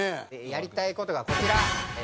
やりたい事がこちら。